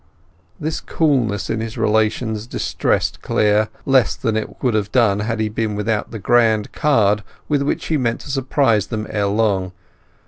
This coolness in his relations distressed Clare less than it would have done had he been without the grand card with which he meant to surprise them ere long.